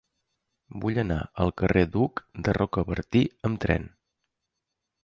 Vull anar al carrer d'Hug de Rocabertí amb tren.